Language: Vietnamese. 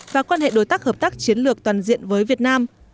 và quan hệ đối tác hợp tác chiến lược toàn diện với việt nam